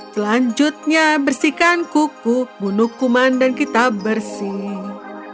selanjutnya bersihkan kuku bunuh kuman dan kita bersih